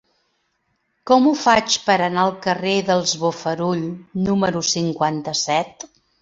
Com ho faig per anar al carrer dels Bofarull número cinquanta-set?